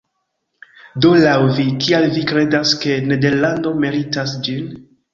Do laŭ vi, kial vi kredas ke nederlando meritas ĝin?